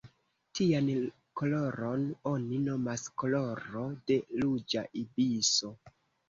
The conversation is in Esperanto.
Tian koloron oni nomas koloro de ruĝa ibiso.